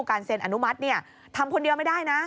การเซ็นอนุมัติเนี่ยทำคนเดียวไม่ได้นะ